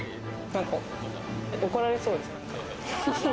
何か怒られそうです。